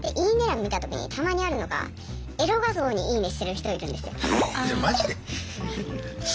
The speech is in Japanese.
見た時にたまにあるのがエロ画像に「いいね」してる人いるんですよ。